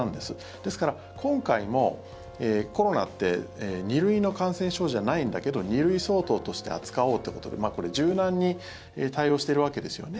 ですから、今回もコロナって２類の感染症じゃないんだけど２類相当として扱おうっていうことで柔軟に対応しているわけですよね。